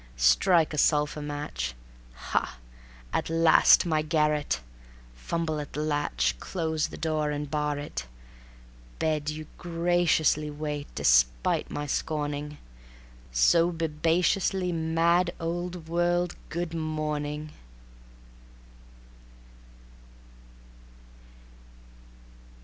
Strike a sulphur match ... Ha! at last my garret. Fumble at the latch, Close the door and bar it. Bed, you graciously Wait, despite my scorning ... So, bibaciously Mad old world, good morning.